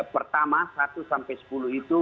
pertama satu sampai sepuluh itu